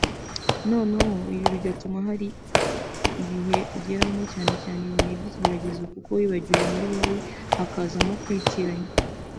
noneho ibi bigatuma hari ibihe ugeramo (cyane cyane ibihe by’ikigeragezo) kuko wibagiwe muri wowe hakazamo kwitiranya